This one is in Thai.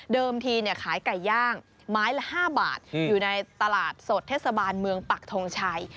เดิมที่เนี่ยขายไก่ย่างไม้ละห้าบาทหืออยู่ในตลาดสดเทศบาลเมื่องปักทองชัย